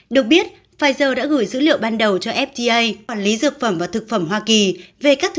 được biết pfizer đã gửi dữ liệu ban đầu cho fda quản lý dược phẩm và thực phẩm hoa kỳ về các thứ